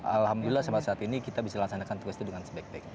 alhamdulillah sampai saat ini kita bisa lansanakan tugas itu dengan sebag bag